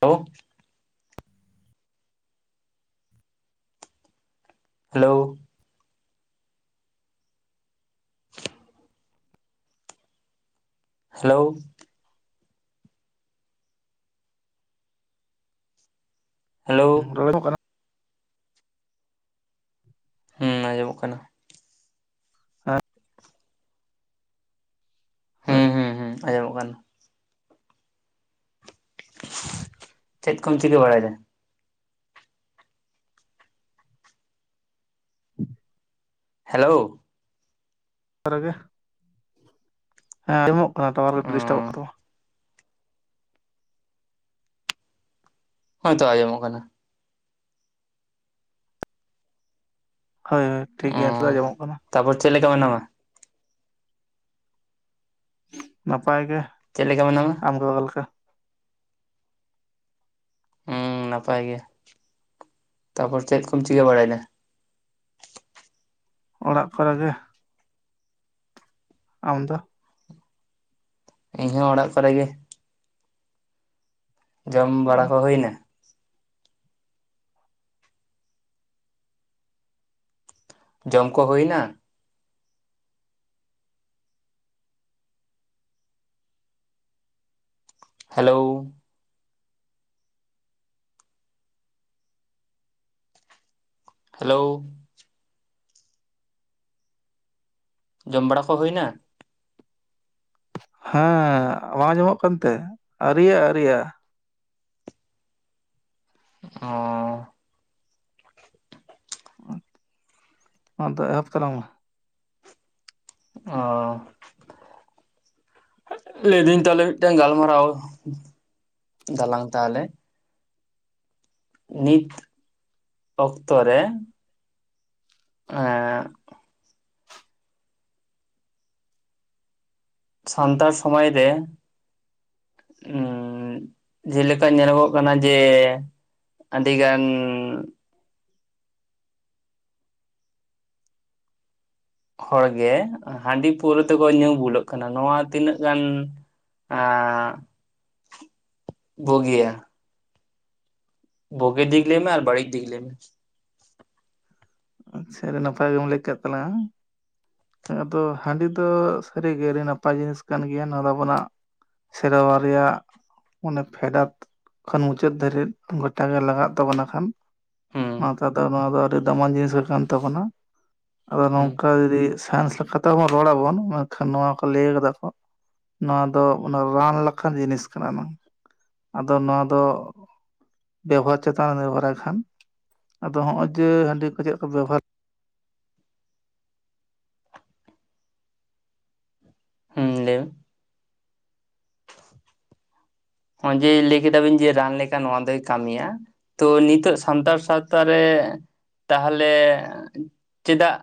ᱞᱳ hello hello hello [unintelligible] ᱦᱩᱸ ᱟᱸᱡᱚᱢᱚᱜ ᱠᱟᱱᱟ [unintelligible] ᱦᱳᱭ ᱦᱩᱸ ᱦᱩᱸ ᱦᱩᱸ ᱟᱸᱡᱚᱢᱚᱜ ᱠᱟᱱ ᱪᱮᱫ ᱠᱚᱢ ᱪᱤᱠᱟᱹ ᱵᱟᱲᱟᱭ ᱫᱟ ᱦᱮᱞᱳ [unintelligible] ᱦᱮᱸ ᱮᱢᱚᱜ ᱠᱟᱱᱟ ᱴᱟᱣᱟᱨ ᱜᱮ ᱰᱤᱥᱴᱟᱵᱚᱜ ᱠᱟᱱ ᱛᱟᱢᱟ ᱦᱳ ᱝᱛᱚ ᱟᱸᱡᱚᱢᱚᱜ ᱠᱟᱱᱟ ᱦᱳᱭ ᱦᱳᱭ ᱴᱷᱤᱠ ᱜᱮᱭᱟ ᱱᱮᱛᱚᱜ ᱟᱡᱚᱢᱚᱸᱜ ᱠᱟᱱᱟ ᱛᱟᱯᱚᱨ ᱪᱮᱫ ᱞᱮᱠᱟ ᱢᱮᱱᱟᱢᱟ ᱱᱟᱯᱟᱭ ᱜᱮ ᱪᱮᱫ ᱞᱮᱠᱟ ᱢᱮᱱᱟᱢᱟ? ᱟᱢ ᱜᱚᱜᱚ ᱞᱮᱠᱟ᱾ ᱦᱮᱸ ᱱᱟᱯᱟᱭ ᱜᱮ ᱛᱟᱯᱚᱨ ᱪᱮᱫ ᱠᱚᱢ ᱪᱤᱠᱟᱹ ᱵᱟᱲᱟᱭ ᱫᱟ? ᱚᱲᱟᱜ ᱠᱚᱨᱮᱜᱮ ᱾ ᱟᱢ ᱫᱚ ᱤᱧᱦᱚᱸ ᱚᱲᱟᱜ ᱠᱚᱨᱮ ᱜᱮ ᱡᱚᱢ ᱵᱟᱲᱟ ᱠᱚ ᱦᱩᱭᱱᱟ? ᱡᱚᱢ ᱠᱚ ᱦᱩᱭᱱᱟ? ᱦᱮᱞᱳ ᱦᱮᱞᱳ ᱡᱚᱢ ᱵᱟᱲᱟ ᱠᱚ ᱦᱩᱭᱱᱟ ᱦᱮᱸ [unintelligible] ᱟᱸᱡᱚᱢᱚᱜ ᱠᱟᱱᱛᱮ ᱟᱨᱤᱭᱟ ᱟᱨᱤᱭᱟ [unintelligible] ᱢᱟ ᱟᱫᱚ ᱮᱦᱚᱵ ᱛᱟᱞᱟᱜ ᱢᱮ ᱚ ᱞᱟᱹᱭᱫᱟᱹᱧ ᱛᱟᱦᱚᱞᱮ ᱢᱤᱫᱴᱟᱝ ᱜᱟᱞᱢᱟᱨᱟᱣ ᱫᱟᱞᱟᱝ ᱛᱟᱦᱟᱞᱮ ᱱᱤᱛ ᱚᱠᱛᱚ ᱨᱮ ᱟ [inaudible] ᱥᱟᱱᱛᱟᱲ ᱥᱚᱢᱟᱡᱽ ᱨᱮ ᱩᱻ ᱡᱮᱞᱮᱠᱟ ᱧᱮᱞᱚᱜᱚᱜ ᱠᱟᱱᱟ ᱡᱮ ᱟᱹᱰᱤ ᱜᱟᱱ ᱦᱚᱲᱜᱮ ᱦᱟᱺᱰᱤ ᱯᱟᱹᱣᱨᱟᱹ ᱛᱮᱠᱚ ᱧᱩ ᱵᱩᱞᱟᱹᱜ ᱠᱟᱱᱟ ᱱᱚᱣᱟ ᱛᱤᱱᱟᱹᱜ ᱜᱟᱱ ᱟᱸᱻ ᱵᱩᱜᱤᱭᱟ, ᱵᱩᱜᱤ ᱫᱤᱜ ᱞᱮ ᱢᱮ ᱟᱨ ᱵᱟᱹᱲᱤᱡ ᱫᱤᱜ ᱞᱟᱹᱭ ᱢᱮ᱾ ᱟᱪᱪᱷᱟ ᱟᱹᱰᱤ ᱱᱟᱯᱟᱭ ᱜᱮᱢ ᱞᱟᱹᱭ ᱠᱮᱫ ᱛᱟᱞᱟᱝ-ᱟ᱾ ᱟᱫᱚ ᱦᱟᱺᱰᱤ ᱫᱚ ᱥᱟᱹᱨᱤᱜᱮ ᱟᱹᱰᱤ ᱱᱟᱯᱟᱭ ᱡᱤᱱᱤᱥ ᱠᱟᱱ ᱜᱮᱭᱟ, ᱱᱚᱣᱟ ᱫᱚ ᱟᱵᱚᱱᱟᱜ ᱥᱮᱨᱣᱟ ᱨᱮᱭᱟᱜ ᱚᱱᱮ ᱯᱷᱮᱰᱟᱛ ᱠᱷᱚᱱ ᱢᱩᱪᱟᱹᱫ ᱫᱷᱟᱹᱨᱤᱡ ᱜᱚᱴᱟᱜᱮ ᱞᱟᱜᱟᱜ ᱛᱟᱵᱚᱱᱟ ᱠᱷᱟᱱ᱾ ᱦᱩᱸ ᱚᱱᱟ ᱛᱮ ᱫᱚ ᱱᱚᱣᱟ ᱫᱚ ᱟᱹᱰᱤ ᱫᱟᱢᱟᱱ ᱡᱤᱱᱤᱥ ᱠᱟᱱ ᱛᱟᱵᱚᱱᱟ᱾ ᱟᱫᱚ ᱦᱩᱸ ᱱᱚᱝᱠᱟ ᱡᱩᱫᱤ ᱥᱟᱭᱮᱱᱥ ᱞᱮᱠᱟᱛᱮ ᱟᱵᱚ ᱨᱚᱲ ᱟᱵᱚᱱ ᱢᱮᱱᱠᱷᱟᱱ ᱱᱚᱣᱟ ᱠᱚ ᱞᱟᱹᱭ ᱠᱟᱫᱟ ᱠᱚ ᱱᱚᱣᱟ ᱫᱚ ᱚᱱᱟ ᱨᱟᱱ ᱞᱮᱠᱟᱱ ᱡᱤᱱᱤᱥ ᱠᱟᱱᱟ ᱱᱟᱝ᱾ ᱟᱫᱚ ᱱᱚᱣᱟ ᱫᱚ ᱵᱮᱵᱚᱦᱟᱨ ᱪᱮᱛᱟᱱᱮ ᱱᱩᱨᱵᱷᱚᱨᱨᱟᱭ ᱠᱷᱟᱱ ᱟᱫᱚ ᱦᱚᱸᱜᱼᱚᱭ ᱡᱮ ᱦᱟᱺᱰᱤ ᱠᱚ ᱪᱮᱫ ᱠᱚ ᱵᱮᱵᱚᱦᱟᱨ ᱦᱩᱸ ᱞᱟᱹᱭ ᱵᱤᱱ, ᱦᱚᱸᱜ ᱡᱮ ᱞᱟᱹᱭ ᱠᱮᱫᱟᱵᱤᱱ ᱡᱮ ᱨᱟᱱ ᱞᱮᱠᱟ ᱱᱚᱣᱟ ᱫᱚᱭ ᱠᱟᱹᱢᱤᱭᱟ᱾ ᱛᱚ ᱱᱤᱛᱚᱜ ᱥᱟᱱᱛᱟᱲ ᱥᱟᱶᱛᱟ ᱨᱮ ᱛᱟᱦᱚᱞᱮ ᱪᱮᱫᱟᱜ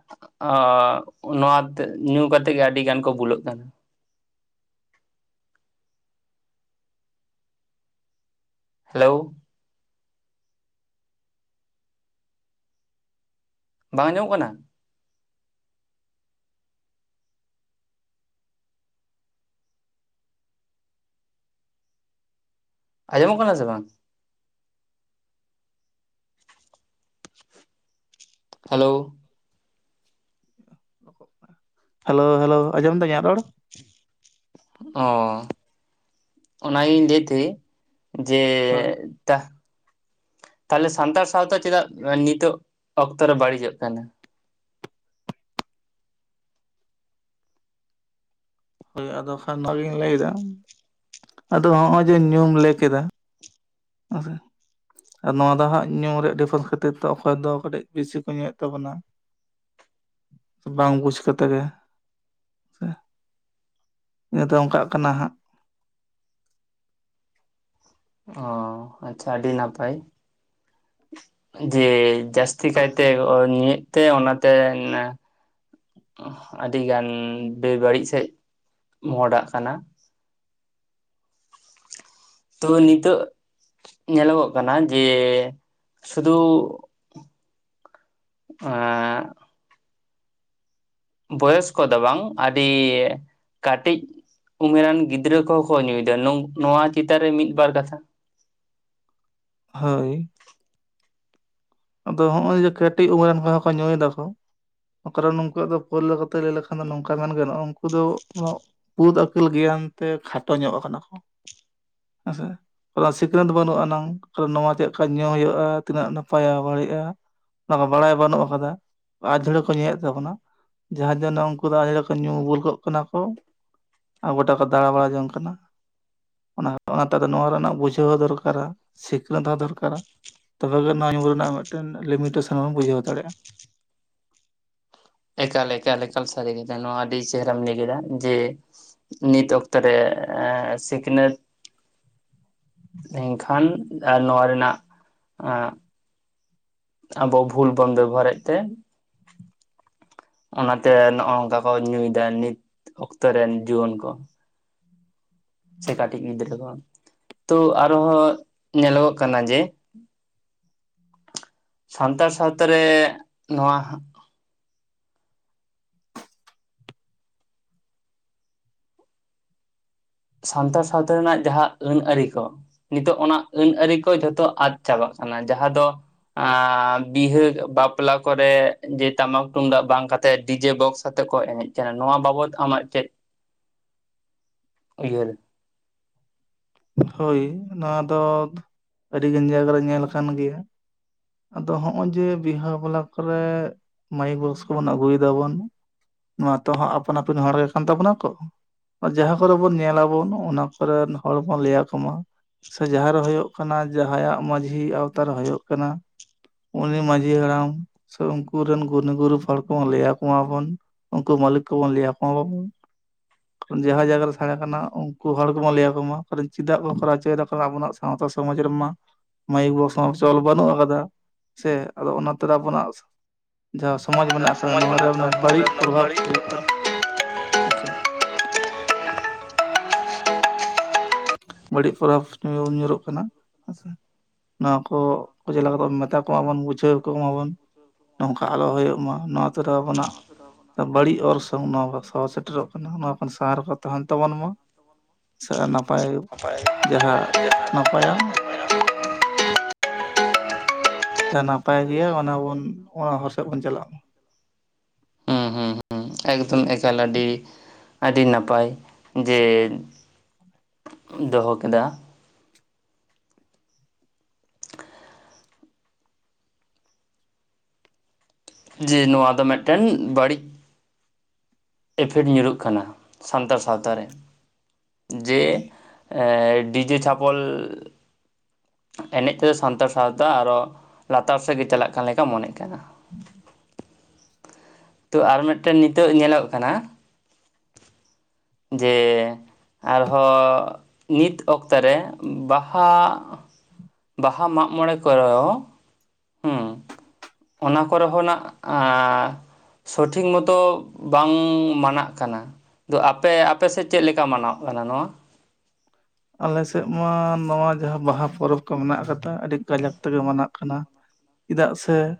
ᱚ ᱱᱚᱣᱟ ᱛᱮᱜ ᱧᱩ ᱠᱟᱛᱮᱜ ᱜᱮ ᱟᱹᱰᱤ ᱜᱟᱱ ᱠᱚ ᱵᱩᱞᱟᱹᱜ ᱠᱟᱱᱟ᱾ ᱦᱮᱞᱳ ᱵᱟᱝ ᱟᱸᱡᱚᱢᱚᱜ ᱠᱟᱱᱟ, ᱟᱸᱡᱚᱢᱚᱜ ᱠᱟᱱᱟ ᱥᱮ ᱵᱟᱝ? ᱦᱮᱞᱳ ᱦᱮᱞᱳ ᱦᱮᱞᱳ ᱟᱸᱡᱚᱢ ᱮᱫᱟ ᱤᱧᱟᱹᱜ ᱨᱚᱲ? ᱚ ᱚᱱᱟᱜᱤᱧ ᱞᱟᱹᱭ ᱛᱟᱦᱮᱸᱜ, ᱡᱮ ᱦᱳᱭ ᱛᱟᱦ ᱛᱟᱦᱚᱞᱮ ᱥᱟᱱᱛᱟᱲ ᱥᱟᱶᱛᱟ ᱪᱮᱫᱟᱜ ᱱᱤᱛᱚᱜ ᱚᱠᱛᱚ ᱨᱮ ᱵᱟᱹᱲᱤᱡᱚᱜ ᱠᱟᱱᱟ? ᱦᱳᱭ ᱟᱫᱚ ᱠᱷᱟᱱ ᱱᱚᱣᱟᱜᱤᱧ ᱞᱟᱹᱭᱟ ᱟᱫᱚ ᱱᱚᱜᱼᱚᱭ ᱡᱮ ᱧᱩᱢ ᱞᱟᱹᱭ ᱠᱮᱫᱟ᱾ [unintelligible] ᱟᱨ ᱱᱚᱣᱟ ᱫᱚ ᱦᱟᱸᱜ ᱧᱩ ᱨᱮᱭᱟᱜ ᱰᱤᱯᱷᱟᱨᱮᱱᱥ ᱠᱷᱟᱹᱛᱤᱨ ᱛᱮ ᱚᱠᱚᱭ ᱫᱚ ᱠᱟᱹᱴᱤᱡ ᱵᱮᱥᱤ ᱠᱚ ᱧᱩᱭᱮᱫ ᱛᱟᱵᱚᱱᱟ᱾ ᱵᱟᱝ ᱵᱩᱡᱽ ᱠᱟᱛᱮ ᱜᱮ ᱥᱮ ᱱᱤᱭᱟᱹ ᱛᱮ ᱚᱱᱠᱟᱜ ᱠᱟᱱᱟ ᱦᱟᱸᱜ ᱚ ᱟᱪᱪᱷᱟ ᱟᱹᱰᱤ ᱱᱟᱯᱟᱭ, ᱡᱮ ᱡᱟᱹᱥᱛᱤ ᱠᱟᱭᱛᱮ ᱧᱩᱭᱮᱫ ᱛᱮ ᱚᱱᱟ ᱛᱮ ᱚᱦ ᱟᱹᱰᱤ ᱜᱟᱱ ᱵᱮ ᱵᱟᱹᱲᱤᱡ ᱥᱮᱫ ᱢᱚᱦᱰᱟᱜ ᱠᱟᱱᱟ᱾ ᱛᱚ ᱱᱤᱛᱚᱜ ᱧᱮᱞᱚᱜᱚᱜ ᱠᱟᱱᱟ ᱡᱮ ᱥᱩᱫᱩ ᱦᱮᱸᱜᱻ ᱵᱚᱭᱚᱥ ᱠᱚ ᱫᱚ ᱵᱟᱝ ᱟᱹᱰᱤ ᱠᱟᱹᱴᱤᱡ ᱩᱢᱮᱨᱟᱱ ᱜᱤᱫᱽᱨᱟᱹ ᱠᱚᱦᱚᱸ ᱠᱚ ᱧᱩᱭᱮᱫᱟ᱾ ᱱᱚᱣᱟ ᱪᱮᱛᱟᱱ ᱨᱮ ᱢᱤᱫ ᱵᱟᱨ ᱠᱟᱛᱷᱟ ᱦᱳᱭ ᱟᱫᱚ ᱦᱚᱜ ᱚᱚᱭ ᱡᱮ ᱠᱟᱹᱴᱤᱡ ᱩᱢᱮᱨᱟᱱ ᱠᱚᱦᱚᱸ ᱠᱚ ᱧᱩᱭ ᱫᱟ ᱠᱚ ᱠᱟᱨᱚᱱ ᱱᱩᱠᱩᱣᱟᱜ ᱫᱚ ᱯᱳᱞᱞᱟᱹ ᱠᱟᱛᱮ ᱞᱟᱹᱭ ᱞᱮᱠᱷᱟᱱ ᱫᱚ ᱱᱚᱝᱠᱟ ᱢᱮᱱ ᱜᱟᱱᱚᱜᱼᱟ᱾ ᱩᱱᱠᱩ ᱫᱚ ᱵᱩᱫᱽ ᱟᱹᱠᱤᱞ ᱜᱮᱭᱟᱱ ᱛᱮ ᱠᱷᱟᱴᱚ ᱧᱚᱜ ᱟᱠᱟᱱᱟ ᱠᱚ᱾ ᱦᱮᱸᱥᱮ ᱥᱤᱠᱷᱱᱟᱹᱛ ᱵᱟᱹᱱᱩᱜ ᱟᱱᱟᱝ ᱱᱚᱣᱟ ᱪᱮᱫ ᱞᱮᱠᱟ ᱧᱩ ᱦᱩᱭᱩᱜᱼᱟ? ᱛᱤᱱᱟᱹᱜ ᱱᱟᱯᱟᱭ ᱯᱟᱭᱟ ᱵᱟᱹᱲᱤᱡᱼᱟ ᱚᱱᱟ ᱠᱚ ᱵᱟᱲᱟᱭ ᱵᱟᱹᱱᱩᱜ ᱟᱠᱟᱫᱟ ᱟᱡᱷᱩᱲᱟᱹᱠᱚ ᱧᱩᱭᱮᱫ ᱛᱟᱵᱚᱱᱟ᱾ ᱡᱟᱦᱟᱸ ᱡᱮᱱᱚ ᱩᱱᱠᱩ ᱫᱚ ᱟᱞᱮ ᱠᱚ ᱧᱩ ᱵᱚᱞ ᱠᱚᱚᱜ ᱠᱟᱱᱟ ᱠᱚ᱾ ᱟᱨ ᱜᱚᱴᱟ ᱠᱚ ᱫᱟᱲᱟ ᱵᱟᱲᱟ ᱡᱚᱝ ᱠᱟᱱᱟ᱾ ᱚᱱᱟ ᱚᱱᱟᱛᱮᱫ ᱱᱚᱣᱟ ᱨᱮᱱᱟᱜ ᱵᱩᱡᱷᱟᱹᱣ ᱦᱚᱸ ᱫᱚᱨᱠᱟᱨᱟ ᱥᱤᱠᱷᱱᱟᱹᱛ ᱦᱚᱸ ᱫᱚᱨᱠᱟᱨᱟ ᱛᱚᱵᱮ ᱵᱮ ᱚᱱᱟ ᱧᱩ ᱨᱮᱱᱟᱜ ᱢᱤᱫᱴᱮᱱ ᱞᱤᱢᱤᱴᱮᱥᱚᱱ ᱵᱚᱱ ᱵᱩᱡᱷᱟᱹᱣ ᱫᱟᱲᱮᱭᱟᱜᱼᱟ᱾ ᱮᱠᱟᱞᱻ ᱮᱠᱟᱞᱻ ᱮᱠᱟᱞᱻ, ᱥᱟᱨᱤ ᱠᱮᱫᱟ ᱱᱚᱣᱟ ᱟᱹᱰᱤ ᱪᱮᱦᱨᱟᱢ ᱧᱮᱞ ᱠᱮᱫᱟ ᱡᱮ ᱱᱤᱛ ᱚᱠᱛᱚ ᱨᱮ ᱥᱤᱠᱷᱱᱟᱹᱛ ᱮᱱᱠᱷᱟᱱ ᱱᱚᱣᱟ ᱨᱮᱱᱟᱜ ᱟᱵᱚ ᱵᱷᱩᱞ ᱵᱚᱱ ᱵᱮᱵᱚ ᱦᱟᱨᱮᱫ ᱛᱮ ᱚᱱᱟᱛᱮ ᱱᱚᱜ ᱱᱚᱝᱠᱟ ᱠᱚ ᱧᱩᱭᱮᱫᱫᱟ ᱱᱤᱛ ᱚᱠᱛᱚ ᱨᱮᱱ ᱡᱩᱣᱟᱹᱱ ᱠᱚ᱾ ᱥᱮ ᱠᱟᱹᱴᱤᱡ ᱜᱤᱫᱽᱨᱟᱹ ᱠᱚ ᱛᱚ ᱟᱨᱦᱚᱸ ᱧᱮᱞᱚᱜᱚᱜ ᱠᱟᱱᱟ ᱡᱮ [inaudible] ᱥᱟᱱᱛᱟᱲ ᱥᱟᱶᱛᱟ ᱨᱮ ᱱᱚᱣᱟ ᱦᱟᱸᱜ ᱥᱟᱱᱛᱟᱲ ᱥᱟᱶᱛᱟ ᱨᱮᱱᱟᱜ ᱡᱟᱦᱟᱸ ᱟᱹᱱ ᱟᱹᱨᱤ ᱠᱚ ᱱᱤᱛᱚᱜ ᱚᱱᱟ ᱟᱹᱱ ᱟᱹᱨᱤ ᱠᱚ ᱡᱷᱚᱛᱚ ᱟᱫ ᱪᱟᱵᱟᱜ ᱠᱟᱱᱟ ᱡᱟᱦᱟᱸ ᱫᱚ ᱵᱤᱦᱟᱹ ᱵᱟᱯᱞᱟ ᱠᱚᱨᱮ ᱡᱮ ᱴᱟᱢᱟᱠ ᱛᱩᱢᱫᱟᱜ ᱵᱟᱝ ᱠᱟᱛ ᱛᱮ ᱰᱤᱡᱮ ᱵᱚᱠᱥ ᱟᱛᱮᱜ ᱠᱚ ᱮᱱᱮᱡ ᱠᱟᱱᱟ ᱱᱚᱣᱟ ᱵᱟᱵᱚᱫ ᱟᱢᱟᱜ ᱪᱮᱫ ᱩᱭᱦᱟᱹᱨ ᱦᱳᱭ ᱱᱚᱣᱟ ᱫᱚ ᱟᱹᱰᱤᱜᱟᱱ ᱡᱟᱭᱜᱟᱟᱨ ᱨᱮ ᱧᱮᱞ ᱠᱟᱱᱟᱱ ᱜᱮᱭᱟ᱾ ᱟᱫᱚ ᱦᱚᱜᱼᱚᱭ ᱡᱮ ᱵᱤᱦᱟᱹ ᱵᱟᱞᱟ ᱠᱚᱨᱮ ᱢᱟᱭᱤᱠ ᱵᱚᱠᱥ ᱠᱚᱵᱚᱱ ᱟᱹᱜᱩᱭ ᱫᱟᱵᱚᱱ ᱱᱚᱣᱟ ᱛᱚ ᱟᱯᱟᱱ ᱟᱹᱯᱤᱱ ᱦᱚᱲ ᱜᱮ ᱠᱟᱱ ᱛᱟᱵᱚᱱᱟ ᱠᱚ᱾ ᱡᱟᱦᱟᱸ ᱠᱚᱨᱮ ᱵᱚᱱ ᱧᱮᱞᱞᱟᱵᱚᱱ ᱚᱱᱟ ᱠᱚᱨᱮᱱ ᱦᱚᱲᱢᱚᱱ ᱞᱟᱹᱭ ᱟᱠᱚᱢᱟ᱾ ᱥᱮ ᱡᱟᱦᱟᱸ ᱨᱮ ᱦᱳᱭᱳᱜ ᱠᱟᱱᱟ ᱡᱟᱦᱟᱸᱭᱟᱜ ᱢᱟᱺᱡᱷᱤ ᱟᱣᱛᱟᱟᱨ ᱨᱮ ᱦᱩᱭᱩᱜᱳᱜ ᱠᱟᱱᱟ ᱩᱱᱤ ᱢᱟᱺᱡᱷᱤ ᱦᱟᱲᱟᱢ ᱥᱮ ᱩᱱᱠᱩᱨᱮᱱ ᱜᱩᱱᱤ ᱜᱩᱨᱤᱵ ᱦᱚᱲ ᱠᱚᱦᱚ ᱞᱟᱹᱭ ᱟᱠ ᱢᱟᱵᱟᱱ ᱩᱱᱠᱩ ᱢᱟᱹᱞᱤᱠ ᱠᱚᱵᱚᱱ ᱞᱟᱹᱭᱟᱠᱚ ᱢᱟᱵᱚᱱ᱾ [inaudible] ᱡᱟᱦᱟᱸ ᱡᱟᱭᱜᱟ ᱨᱮ ᱥᱮᱲᱮ ᱠᱟᱱᱟ ᱩᱱᱠᱩ ᱦᱚᱲ ᱠᱚᱵᱚᱱ ᱞᱟᱹᱭᱟᱠᱚ ᱢᱟ ᱠᱟᱨᱚᱱ ᱪᱮᱫᱟᱜ ᱠᱚ ᱠᱚᱨᱟᱣ ᱦᱚᱪᱚᱭ ᱮᱫᱟ ᱟᱵᱚ ᱱᱟᱜ ᱾ ᱥᱟᱶᱛᱟ ᱥᱚᱢᱟᱡ ᱨᱮ ᱢᱟ ᱢᱟᱭᱤᱠ ᱵᱚᱠᱥ ᱦᱚᱸ ᱪᱚᱞ ᱵᱟᱹᱷᱱᱩᱜ ᱠᱟᱫᱟ ᱾ ᱥᱮ ᱟᱫᱚ ᱚᱱᱟᱛᱮ ᱨᱮ ᱟᱵᱚ ᱱᱟᱜ ᱾ ᱡᱟᱦᱟᱸ ᱥᱚᱢᱟᱡ ᱢᱮᱱᱟᱜ ᱟᱠᱟᱫᱟ ᱱᱚᱣᱟ ᱨᱮ ᱵᱟᱹᱲᱤᱡ ᱯᱨᱚᱵᱷᱟᱵᱽ ᱦᱩᱭᱩᱜ ᱠᱟᱱᱟ ᱦᱮᱸᱥᱮ ᱾ ᱵᱟᱹᱲᱤᱡ ᱯᱚᱨᱚᱵᱽ ᱵᱚᱱ ᱧᱩᱨᱚᱜ ᱠᱟᱱᱟ ᱦᱮᱸᱥᱮ ᱾ ᱱᱚᱣᱟ ᱠᱚ ᱪᱮᱫ ᱞᱮᱠᱟ ᱠᱟᱛᱮᱜ ᱢᱮᱛᱟ ᱠᱚᱭᱟ ᱵᱚᱱ ᱵᱩᱡᱷᱟᱹᱣ ᱠᱚᱢᱟ ᱵᱚᱱ ᱾ ᱱᱚᱝᱠᱟ ᱟᱞᱚ ᱦᱳᱭᱳᱜ ᱢᱟ ᱱᱚᱣᱟ ᱛᱮᱫᱚ ᱟᱵᱚ ᱱᱟᱜ ᱾ ᱵᱟᱹᱲᱤᱡ ᱚᱨᱥᱚᱝ ᱱᱚᱣᱟ ᱠᱚ ᱥᱚᱦᱚᱨ ᱥᱮᱴᱮᱨᱚᱜ ᱠᱟᱱᱟ ᱱᱚᱣᱟ ᱠᱷᱚᱱ ᱵᱟᱦᱟᱨᱮ ᱠᱚ ᱛᱟᱦᱮᱱ ᱛᱟᱵᱚᱱ ᱢᱟ ᱾ ᱥᱮ ᱱᱟᱯᱟᱭ ᱡᱟᱦᱟᱸ ᱱᱟᱯᱟᱭᱟ ᱾ ᱱᱟᱯᱟᱭ ᱜᱮᱸᱭᱟ ᱚᱱᱟ ᱵᱚᱱ ᱚᱱᱟ ᱦᱚᱨ ᱥᱮᱫ ᱵᱚᱱ ᱪᱟᱞᱟᱜ ᱢᱟ ᱾ ᱦᱩᱸ ᱦᱩᱸ ᱦᱩᱸ ᱮᱠᱫᱚᱢ ᱦᱳᱭ ᱮᱠᱟᱞ ᱟᱹᱰᱤ ᱟᱹᱰᱤ ᱱᱟᱯᱟᱭ ᱡᱮ ᱾ ᱫᱚᱦᱚ ᱠᱮᱫᱟ ᱾ ᱡᱮ ᱱᱚᱣᱟ ᱫᱚ ᱢᱤᱫ ᱴᱮᱱ ᱵᱟᱹᱲᱤᱡ ᱾ ᱤᱯᱷᱮᱠᱴ ᱧᱩᱨᱩᱜ ᱠᱟᱱᱟ ᱥᱟᱱᱛᱟᱲ ᱥᱟᱶᱛᱟ ᱨᱮ ᱡᱮ ᱦᱳᱭ ᱮᱸ ᱰᱤᱡᱮ ᱪᱷᱟᱯᱚᱞ ᱮᱱᱮᱡ ᱛᱮᱫᱚ ᱥᱟᱱᱛᱟᱲ ᱥᱟᱶᱛᱟ ᱟᱨᱚ ᱞᱟᱛᱟᱨ ᱥᱮᱫᱜ ᱜᱮ ᱪᱟᱞᱟᱜ ᱠᱟᱱ ᱞᱮᱠᱟ ᱢᱚᱱᱮᱜ ᱠᱟᱱᱟ᱾ [inaudible] ᱛᱚ ᱟᱨ ᱢᱤᱫᱴᱮᱱ ᱱᱤᱛᱳᱜ ᱧᱮᱞᱚᱜ ᱠᱟᱱᱟ ᱡᱮᱻ ᱾ ᱟᱨᱦᱚᱸᱻ ᱱᱤᱛ ᱚᱠᱛᱮ ᱨᱮ ᱵᱟᱸᱦᱟ ᱾ ᱵᱟᱸᱦᱟ ᱢᱟᱜ ᱢᱚᱬᱮ ᱠᱚᱨᱮ ᱾ ᱦᱮᱸ ᱚᱱᱟ ᱠᱚᱨᱮᱦᱚ ᱱᱟᱜ ᱼᱟ ᱾ ᱥᱚᱴᱷᱤᱠ ᱢᱚᱛᱚ ᱵᱟᱝ ᱢᱟᱱᱟᱜ ᱠᱟᱱᱟ ᱾ ᱫᱚ ᱟᱯᱮ ᱟᱯᱮᱥᱮᱫ ᱪᱮᱫ ᱞᱮᱠᱟ ᱢᱟᱱᱟᱣ ᱠᱟᱱᱟ ᱱᱚᱣᱟ? ᱟᱞᱮ ᱥᱮᱫ ᱢᱟ ᱱᱚᱣᱟ ᱡᱟᱦᱟᱸ ᱵᱟᱸᱦᱟ ᱯᱚᱨᱚᱵᱽ ᱠᱚ ᱢᱮᱱᱟᱜ ᱠᱟᱫᱟ ᱟᱹᱰᱤ ᱠᱟᱡᱟᱠ ᱛᱮᱜᱮ ᱢᱟᱱᱟᱜ ᱠᱟᱱᱟ ᱾ ᱪᱮᱫᱟᱜ ᱥᱮ ᱾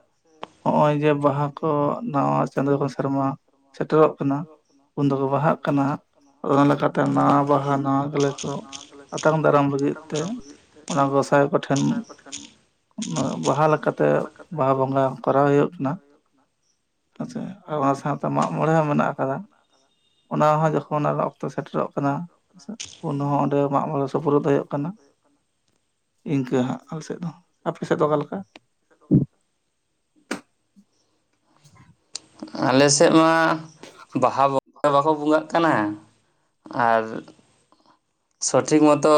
ᱦᱚᱜᱼᱚᱭ ᱡᱮ ᱵᱟᱸᱦᱟ ᱠᱚ ᱱᱟᱣᱟ ᱪᱟᱸᱫᱳ ᱥᱮᱨᱢᱟ ᱥᱮᱴᱮᱨᱚᱜ ᱾ ᱩᱱ ᱫᱚᱠᱚ ᱵᱟᱸᱦᱟᱜ ᱠᱟᱱᱟ ᱚᱱᱟ ᱞᱮᱠᱟᱛᱮ ᱱᱟᱣᱟ ᱵᱟᱸᱦᱟ ᱱᱟᱣᱟ ᱜᱮᱞᱮ ᱠᱚ ᱾ ᱟᱛᱟᱝ ᱫᱟᱨᱟᱢ ᱞᱟᱹᱜᱤᱫ ᱛᱮ ᱚᱱᱟ ᱜᱚᱸᱥᱟᱭ ᱠᱚ ᱴᱷᱮᱱ ᱾ [unintelligible] ᱵᱟᱸᱦᱟ ᱞᱮᱠᱟᱛᱮ ᱵᱟᱸᱦᱟ ᱵᱚᱸᱜᱟ ᱠᱚᱨᱟᱣ ᱦᱩᱭᱩᱜ ᱠᱟᱱᱟ ᱾ ᱦᱮᱸᱥᱮ ᱟᱨ ᱚᱱᱟ ᱥᱟᱶ ᱛᱮ ᱢᱟᱜ ᱢᱚᱬᱮ ᱦᱚᱸ ᱢᱮᱱᱟᱜ ᱠᱟᱫᱟ ᱾ ᱚᱱᱟ ᱦᱚᱸ ᱡᱚᱠᱷᱚᱱ ᱚᱱᱟ ᱚᱠᱛᱚ ᱥᱮᱴᱮᱨᱚᱜ ᱠᱟᱱᱟ ᱩᱱ ᱦᱚᱸ ᱚᱸᱰᱮ ᱾ ᱢᱟᱜ ᱢᱚᱲᱮ ᱥᱚᱯᱚᱲᱚᱫ ᱫᱚ ᱦᱩᱭᱩᱜ ᱠᱟᱱᱟ ᱤᱱᱠᱟᱹ ᱦᱟᱸᱜ ᱟᱞ ᱥᱮᱫ ᱫᱚ ᱟᱯᱮ ᱥᱮᱫ ᱫᱚ ᱚᱠᱟᱞᱮᱠᱟ ᱾ ᱫᱚᱠᱟᱱ ᱠᱟᱱᱟ [unintelligible] [unintelligible] ᱟᱞᱮ ᱥᱮᱫ ᱢᱟ ᱵᱟᱦᱟ ᱵᱚᱸ ᱵᱟᱠᱚ ᱵᱚᱸᱜᱟᱜ ᱠᱟᱱᱟ ᱟᱨ ᱾ ᱥᱚᱴᱷᱤᱠ ᱢᱚᱛᱚ ᱾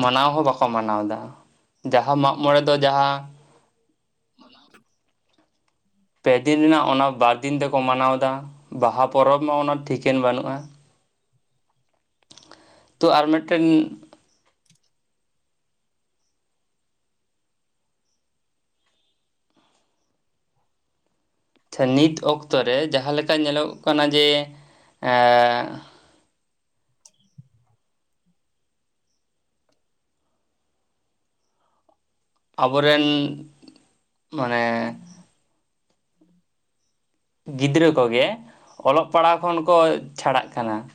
ᱢᱟᱱᱟᱣ ᱦᱚᱸ ᱵᱟᱠᱚ ᱢᱟᱱᱟᱣᱫᱟ ᱡᱟᱦᱟᱸ ᱢᱟᱜ ᱢᱚᱬᱮ ᱫᱚ ᱡᱟᱦᱟᱸ ᱾ ᱚᱱᱟ [unintelligible] ᱯᱮ ᱫᱤᱱ ᱨᱮᱱᱟᱜ ᱚᱱᱟ ᱵᱟᱨ ᱫᱤᱱ ᱛᱮᱠᱚ ᱢᱟᱱᱟᱣ ᱮᱫᱟ ᱵᱟᱦᱟ ᱯᱚᱨᱚᱵᱽ ᱢᱟ ᱚᱱᱟ ᱴᱷᱤᱠᱟᱹᱱ ᱵᱟᱹᱱᱩᱜᱼᱟ ᱾ ᱛᱚ ᱟᱨ ᱢᱤᱫ ᱴᱮᱱ ᱾ ᱱᱤᱛ ᱚᱠᱛᱚ ᱨᱮ ᱡᱟᱦᱟᱸ ᱞᱮᱠᱟ ᱧᱮᱞᱚᱜ ᱠᱟᱱᱟ ᱡᱮ ᱾ ᱟᱵᱚ ᱨᱮᱱ ᱢᱟᱱᱮ ᱾ ᱦᱮᱸ [unintelligible] ᱜᱤᱫᱽᱨᱟᱹ ᱠᱚ ᱜᱮ ᱚᱞᱚᱜ ᱯᱟᱲᱦᱟᱣ ᱠᱷᱚᱱ ᱠᱚ ᱪᱷᱟᱲᱟᱜ ᱠᱟᱱᱟ ᱾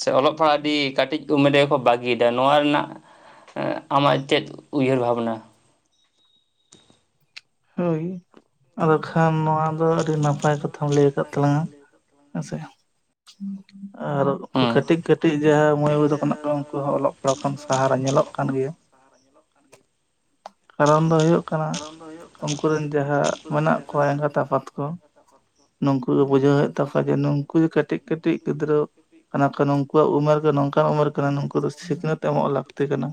ᱥᱮ ᱚᱞᱚᱜ ᱯᱟᱲᱦᱟᱜ ᱠᱟᱹᱴᱤᱡ ᱩᱢᱮᱨ ᱨᱮ ᱵᱟ ᱾ ᱵᱷᱟᱹᱜᱤᱭᱮᱫᱟ ᱱᱚᱣᱟ ᱨᱮᱱᱟᱜ ᱟᱢᱟᱜ ᱪᱮᱫ ᱩᱭᱦᱟᱹᱨ ᱵᱷᱟᱵᱽᱱᱟ ᱾ ᱦᱳᱭ ᱟᱫᱚ ᱠᱷᱟᱱ ᱱᱚᱣᱟ ᱫᱚ ᱟᱹᱰᱤ ᱱᱟᱯᱟᱭ ᱠᱟᱛᱷᱟᱢ ᱞᱟᱹᱭ ᱠᱟᱫ ᱛᱟᱞᱟᱝ ᱟ ᱾ ᱟᱪ ᱥᱮ ᱟᱨ [inaudible] ᱩᱱᱠᱩ ᱟᱫᱚ ᱠᱟᱹᱴᱤᱡ ᱠᱟᱹᱴᱤᱡ ᱡᱟᱦᱟᱸ ᱢᱟᱹᱭ ᱵᱟᱵᱩ ᱛᱟᱠᱚ ᱢᱮᱱᱟᱜ ᱠᱚ ᱩᱱᱠᱩ ᱦᱚᱸ ᱚᱞᱚᱜ ᱯᱟᱲᱦᱟᱜ ᱠᱷᱚᱱ ᱵᱟᱦᱟᱨᱮ ᱧᱮᱞᱚᱜ ᱠᱟᱱ ᱜᱮᱭᱟ ᱜᱮᱭᱟ ᱾ ᱡᱟᱦᱟ ᱱᱟᱜ ᱧᱮᱞᱚᱜ ᱠᱟᱱ ᱜᱮᱭᱟ ᱠᱟᱨᱚᱱ ᱫᱚ ᱦᱩᱭᱩᱜ ᱠᱟᱱᱟ ᱩᱱᱠᱩ ᱨᱮᱱ ᱡᱟᱦᱟᱸ ᱢᱮᱱᱟᱜ ᱠᱚᱣᱟ ᱮᱸᱜᱟᱛ ᱟᱯᱟᱛ ᱠᱚ ᱱᱩᱠᱩ ᱜᱮ ᱵᱩᱡᱷᱟᱹᱣ ᱮᱫ ᱛᱟᱠᱚᱣᱟ ᱡᱮ ᱱᱩᱠᱩ ᱠᱟᱹᱴᱤᱡ ᱠᱟᱹᱴᱤᱡ ᱜᱤᱫᱽᱨᱟᱹ ᱱᱩᱠᱩᱣᱟᱜ ᱩᱢᱮᱨ ᱫᱚ ᱱᱚᱝᱠᱟᱱ ᱩᱢᱮᱨ ᱠᱟᱱᱟ ᱱᱩᱠᱩ ᱫᱚ ᱥᱤᱠᱷᱱᱟᱹᱛ ᱮᱢᱚᱜ ᱞᱟᱹᱠᱛᱤ ᱠᱟᱱᱟ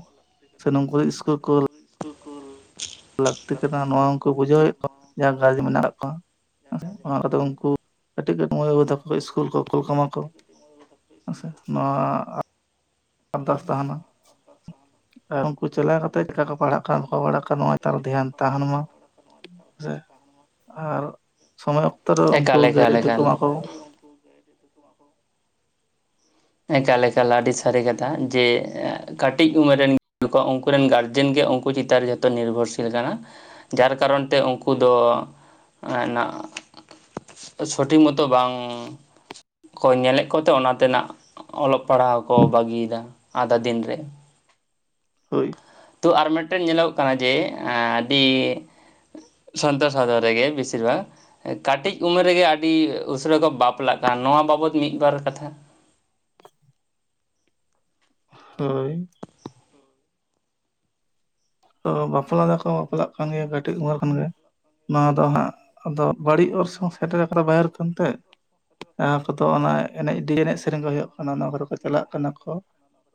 ᱥᱮ ᱱᱩᱠᱩ ᱤᱥᱠᱩᱞ ᱠᱚᱞ [unintelligible] ᱞᱟᱹᱠᱛᱤ ᱠᱟᱱᱟ ᱱᱚᱣᱟ ᱩᱱᱠᱩ ᱵᱩᱡᱷᱟᱹᱣᱮᱫ ᱠᱚᱣᱟ ᱡᱟᱦᱟᱸ [unintelligible] ᱢᱮᱱᱟᱜ ᱠᱚᱣᱟ ᱚᱱᱟ ᱠᱟᱛᱮ ᱩᱱᱠᱩ ᱠᱟᱹᱴᱤᱡ [unintelligible] ᱢᱟᱹᱭ ᱵᱟᱹᱵᱩ ᱛᱟᱠᱚ ᱤᱥᱠᱩᱞ ᱠᱚ ᱠᱚᱞ ᱠᱟᱢᱟ ᱠᱚ ᱟᱪᱪᱷᱟ ᱱᱚᱣᱟ ᱟᱨᱫᱟᱥ ᱛᱟᱦᱮᱱᱟ ᱟᱨ ᱩᱱᱠᱩ ᱪᱟᱞᱟᱣ ᱠᱟᱛᱮ ᱪᱮᱠᱟ ᱠᱚ ᱯᱟᱲᱦᱟᱜ ᱠᱟᱱᱟ ᱵᱟᱠᱚ ᱵᱟᱲᱟ ᱠᱟᱱᱟ ᱱᱚᱼᱚᱭ ᱛᱟᱦᱚᱞᱮ ᱫᱷᱮᱭᱟᱱ ᱛᱟᱦᱮᱱ ᱢᱟ ᱥᱮ ᱟᱨ ᱥᱚᱢᱚᱭ ᱚᱠᱛᱚ ᱨᱮ ᱩᱱᱠᱩ ᱮᱠᱟᱞ ᱮᱠᱟᱞ ᱜᱟᱹᱲᱤ ᱛᱮᱠᱚ ᱮᱠᱟᱞ ᱢᱟᱠᱚ ᱾ ᱮᱠᱟᱞ ᱮᱠᱟᱞ ᱟᱹᱰᱤ ᱥᱟᱹᱨᱤ ᱠᱟᱛᱷᱟ ᱡᱮ ᱠᱟᱹᱴᱤᱡ ᱩᱢᱮᱨ ᱨᱮᱱ ᱾ ᱩᱱᱠᱩ ᱨᱮᱱ ᱜᱟᱨᱡᱮᱱ ᱜᱮ ᱩᱱᱠᱩ ᱪᱮᱛᱟᱱ ᱨᱮ ᱡᱷᱚᱛᱚ ᱱᱤᱨᱵᱷᱚᱨᱥᱤᱞ ᱠᱟᱱᱟ ᱾ ᱡᱟᱨ ᱠᱟᱨᱚᱱ ᱛᱮ ᱩᱱᱠᱩ ᱫᱚ ᱱᱟᱜ ᱾ ᱥᱚᱴᱷᱤᱠ ᱢᱚᱛᱚ ᱵᱟᱝ ᱠᱚ ᱧᱮᱞᱮᱫ ᱠᱚᱛᱮ ᱚᱱᱟ ᱛᱮᱱᱟᱜ ᱚᱞᱚᱜ ᱯᱟᱲᱦᱟᱣ ᱠᱚ ᱵᱟᱹᱜᱤᱭ ᱫᱟ ᱟᱫᱷᱟ ᱫᱤᱱ ᱨᱮ ᱦᱳᱭ ᱛᱚ ᱟᱨ ᱢᱤᱫ ᱴᱮᱱ ᱧᱮᱞᱚᱜᱚᱜ ᱠᱟᱱᱟ ᱡᱮ ᱟᱹᱰᱤ ᱥᱟᱱᱛᱟᱲ ᱨᱮᱜᱮ ᱵᱤᱥᱤᱨ ᱵᱷᱟᱜ ᱠᱟᱹᱴᱤᱡ ᱩᱢᱮᱨ ᱨᱮᱜᱮ ᱟᱹᱰᱤ ᱩᱥᱟᱹᱨᱟ ᱠᱚ ᱵᱟᱯᱞᱟᱜ ᱠᱟᱱᱟ ᱱᱚᱣᱟ ᱵᱟᱵᱚᱫ ᱢᱤᱫ ᱵᱟᱨ ᱠᱟᱛᱷᱟ ᱦᱳᱭ ᱛᱚ ᱵᱟᱯᱞᱟ ᱫᱚᱠᱚ ᱵᱟᱯᱞᱟᱜ ᱠᱟᱱ ᱜᱮᱭᱟ ᱠᱟᱹᱴᱤᱡ ᱩᱢᱮᱨ ᱠᱷᱚᱱ ᱜᱮ ᱱᱚᱣᱟ ᱫᱚ ᱦᱟᱸᱜ ᱟᱫᱚ ᱵᱟᱹᱲᱤᱡ ᱚᱨᱥᱚᱝ ᱥᱮᱴᱮᱨ ᱠᱟᱫᱟ [unintelligible] ᱯᱷᱱᱛᱮ ᱡᱟᱦᱟᱸ ᱠᱚᱫᱚ ᱚᱱᱟ ᱮᱱᱮᱡ ᱰᱤᱡᱮ ᱮᱱᱮᱡ ᱥᱮᱨᱮᱧ ᱠᱚ ᱦᱩᱭᱩᱜ ᱠᱟᱱᱟ ᱚᱱᱟ ᱠᱚᱨᱮ ᱠᱚ ᱪᱟᱞᱟᱜ ᱠᱟᱱᱟ ᱠᱚ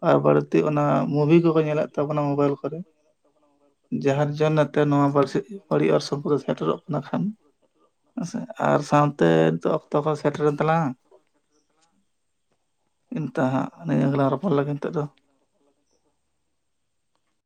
ᱟᱨ ᱵᱟᱹᱲᱛᱤ ᱚᱱᱟ ᱢᱩᱵᱷᱤ ᱠᱚᱠᱚ ᱧᱮᱞᱮᱫ ᱛᱟᱵᱚᱱᱟ ᱢᱳᱵᱟᱭᱤᱞ ᱠᱚᱨᱮ ᱡᱟᱦᱟᱨ ᱡᱚᱱ ᱱᱮ ᱛᱮ ᱱᱚᱣᱟ ᱯᱟᱹᱨᱥᱤ ᱵᱟᱹᱲᱤᱡ ᱚᱥᱚ ᱥᱚᱢᱯᱚᱫ ᱥᱮᱴᱮᱨᱚᱜ ᱠᱟᱱᱟ ᱠᱷᱟᱱ ᱟᱨ ᱥᱟᱶᱛᱮ ᱱᱤᱛᱚᱜ ᱚᱠᱛᱚ ᱠᱚ ᱥᱮᱴᱮ ᱨᱮᱱ ᱛᱟᱞᱟᱝ [unintelligible] ᱦᱟᱸᱜ ᱱᱤᱭᱟᱹ ᱜᱮᱞᱟᱝ ᱨᱚᱯᱚᱲ ᱞᱟᱹᱜᱤᱫ ᱱᱤᱛᱚᱜ ᱫᱚ